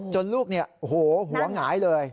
ลูกหัวหงายเลย